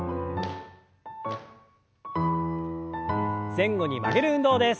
前後に曲げる運動です。